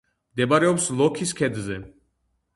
მდებარეობს ლოქის ქედზე.